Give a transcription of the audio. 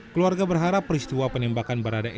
keluarga berharap peristiwa penembakan berada